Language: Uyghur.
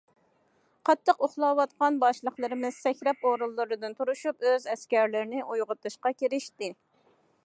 قاتتىق ئۇخلاۋاتقان باشلىقلىرىمىز سەكرەپ ئورۇنلىرىدىن تۇرۇشۇپ، ئۆز ئەسكەرلىرىنى ئويغىتىشقا كىرىشتى.